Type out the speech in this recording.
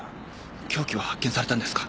凶器は発見されたんですか？